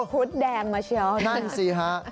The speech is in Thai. ฮุดแดงมาเชียวนะครับนั่นสิครับ